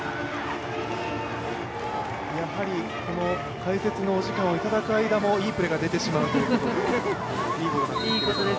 この解説のお時間をいただく間もいいプレーが出てしまうということで。